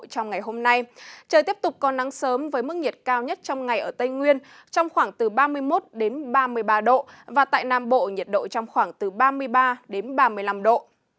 trong ngày hôm nay trời tiếp tục có nắng sớm với mức nhiệt cao nhất trong ngày ở tây nguyên trong khoảng từ ba mươi một ba mươi ba độ và tại nam bộ nhiệt độ trong khoảng từ ba mươi ba đến ba mươi năm độ